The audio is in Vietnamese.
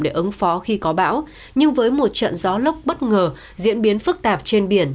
để ứng phó khi có bão nhưng với một trận gió lốc bất ngờ diễn biến phức tạp trên biển